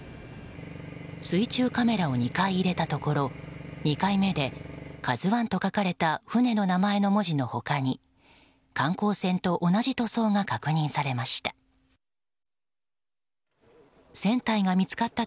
水中カメラを２回入れたところ２回目で「ＫＡＺＵ１」と書かれた船の名前の文字の他に観光船と同じ塗装が確認されました。